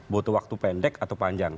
butuh waktu pendek atau panjang